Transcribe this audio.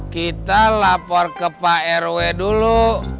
kita lapor ke pak rw dulu